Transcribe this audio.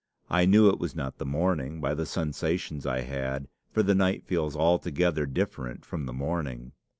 I knew it was not the morning by the sensations I had, for the night feels altogether different from the morning.